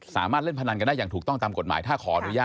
สามารถเล่นพนันกันได้อย่างถูกต้องตามกฎหมาย